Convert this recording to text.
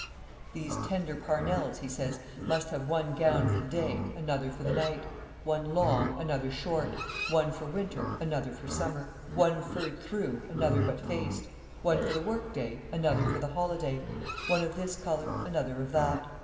"These tender Parnels," he says, "must have one gown for the day, another for the night; one long, another short; one for winter, another for summer. One furred through, another but faced: one for the work day, another for the holiday. One of this color, another of that.